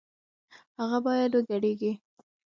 هغه بايد وګډېږي